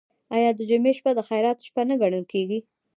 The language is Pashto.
آیا د جمعې شپه د خیرات شپه نه ګڼل کیږي؟